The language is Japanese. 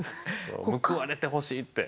報われてほしいって。